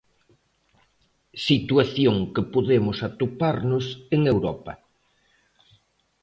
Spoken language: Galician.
Situación que podemos atoparnos en Europa.